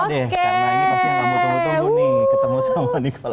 karena ini pasti kamu tunggu tunggu nih ketemu sama nikola saputra